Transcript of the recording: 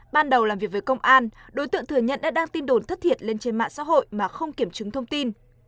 ban đầu làm việc với công an đối tượng thừa nhận đã đăng tin đồn thất thiệt lên trên mạng xã hội mà không kiểm chứng thông tin